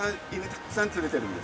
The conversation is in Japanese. たくさん連れてるんです。